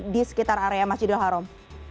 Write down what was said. di sekitar area masjidil haram